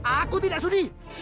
aku tidak sudi